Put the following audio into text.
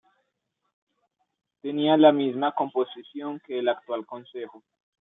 Tenía la misma composición que el actual Consejo.